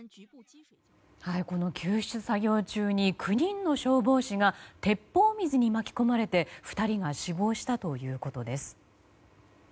この救出作業中に９人の消防士が鉄砲水に巻き込まれて２人が死亡したということです。